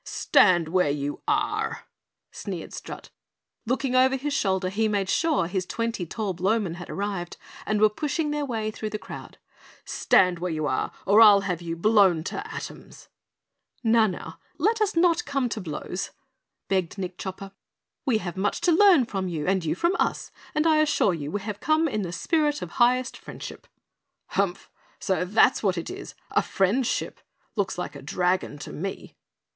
"Stand where you are!" sneered Strut. Looking over his shoulder he made sure his twenty, tall Blowmen had arrived and were pushing their way through the crowd. "Stand where you are or I'll have you blown to atoms!" "Now, now, let us not come to blows!" begged Nick Chopper. "We have much to learn from you and you from us, and I assure you we have come in the spirit of highest friendship!" "Humph! So that's what it is a friend ship! Looks like a dragon to me!"